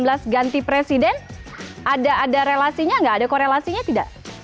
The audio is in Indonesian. dengan dua ribu sembilan belas ganti presiden ada relasinya nggak ada korelasinya tidak